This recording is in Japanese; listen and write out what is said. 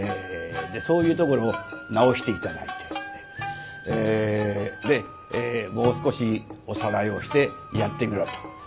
でそういうところを直して頂いて「もう少しおさらいをしてやってみろ」と。